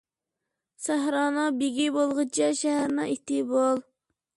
سەھرانىڭ بېگى بولغىچە، شەھەرنىڭ ئىتى بول.